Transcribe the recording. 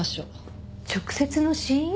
直接の死因？